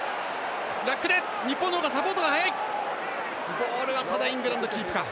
ボール、イングランドキープか。